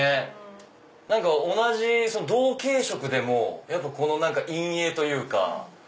同じ同系色でもやっぱこの陰影というか。